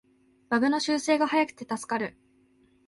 バグの修正が早くて助かる